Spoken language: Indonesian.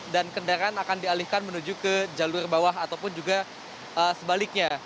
dan kendaraan akan dialihkan menuju ke jalur bawah ataupun juga sebaliknya